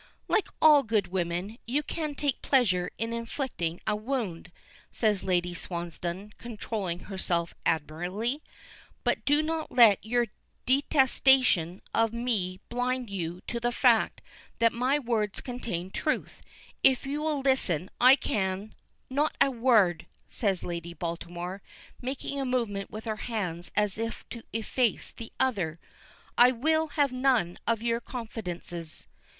"Like all good women, you can take pleasure in inflicting a wound," says Lady Swansdown, controlling herself admirably. "But do not let your detestation of me blind you to the fact that my words contain truth. If you will listen I can " "Not a word," says Lady Baltimore, making a movement with her hands as if to efface the other. "I will have none of your confidences."